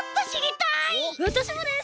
わたしもです！